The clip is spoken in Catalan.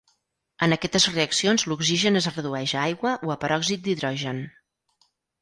En aquestes reaccions l'oxigen es redueix a aigua o a peròxid d'hidrogen.